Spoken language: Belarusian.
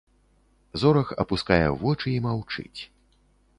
Зорах апускае вочы і маўчыць.